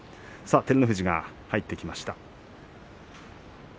照ノ富士が入ってきました。